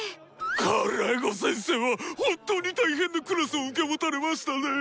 カルエゴ先生は本当に大変なクラスを受け持たれましたねぇ。